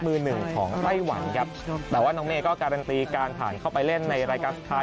มือหนึ่งของไต้หวันครับแต่ว่าน้องเนยก็การันตีการผ่านเข้าไปเล่นในรายการสุดท้าย